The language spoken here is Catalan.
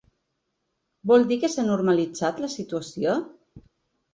Vol dir que s’ha normalitzat la situació?